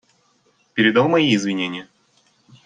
Передал мои извинения?